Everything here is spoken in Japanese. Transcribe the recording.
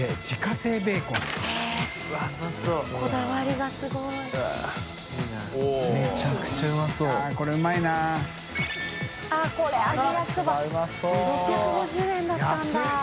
水卜）６５０円だったんだ。